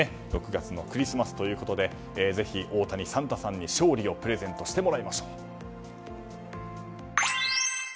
６月のクリスマスということでぜひ大谷サンタさんに勝利をプレゼントしてもらいましょう。